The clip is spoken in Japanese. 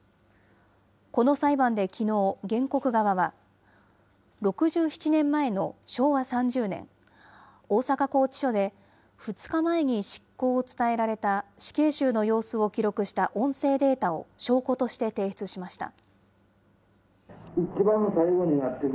この裁判できのう、原告側は、６７年前の昭和３０年、大阪拘置所で２日前に執行を伝えられた死刑囚の様子を記録した音声データを証拠として提出しました。